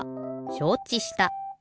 しょうちした。